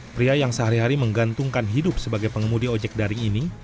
pria yang sehari hari menggantungkan hidup sebagai pengemudi ojek daring ini